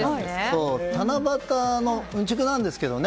七夕のうんちくなんですけどね